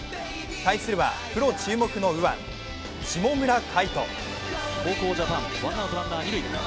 対するはプロ注目の右腕、下村海翔。